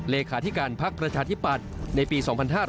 เลขาธิการพักประชาธิปัตย์ในปี๒๕๕๘